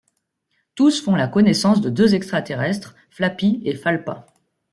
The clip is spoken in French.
Tous font la connaissance de deux extraterrestres, Flapi et Falpa.